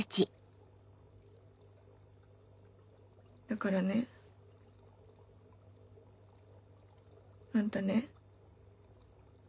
だからね。あんたね。